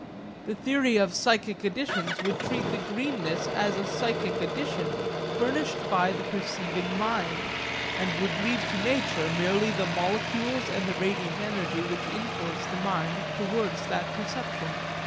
The theory of psychic additions would treat the greenness as a psychic addition furnished by the perceiving mind, and would leave to nature merely the molecules and the radiant energy which influence the mind towards that perception.